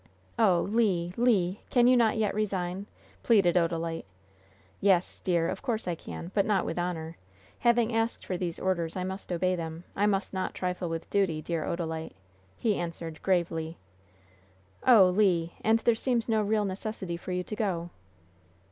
"Oh, Le! Le! can you not yet resign?" pleaded Odalite. "Yes, dear, of course I can, but not with honor. Having asked for these orders, I must obey them. I must not trifle with duty, dear Odalite," he answered, gravely. "Oh, Le, and there seems no real necessity for you to go!"